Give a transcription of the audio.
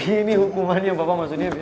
ini hukumannya bapak